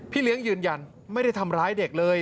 เลี้ยงยืนยันไม่ได้ทำร้ายเด็กเลย